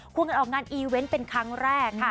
วงกันออกงานอีเวนต์เป็นครั้งแรกค่ะ